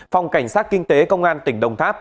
phòng cảnh sát kinh tế công an tỉnh đồng tháp